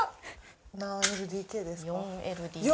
何ＬＤＫですか？